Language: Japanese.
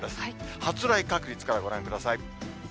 発雷確率からご覧ください。